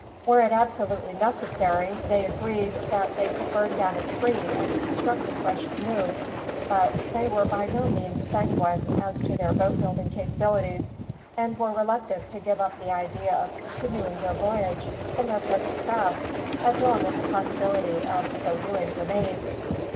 Were it absolutely necessary, they agreed that they could burn down a tree and construct a fresh canoe; but they were by no means sanguine as to their boat building capabilities, and were reluctant to give up the idea of continuing their voyage in their present craft, as long as a possibility of so doing remained.